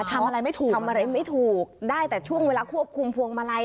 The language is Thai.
ทำอะไรไม่ถูกทำอะไรไม่ถูกได้แต่ช่วงเวลาควบคุมพวงมาลัย